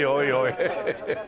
ヘヘヘヘ。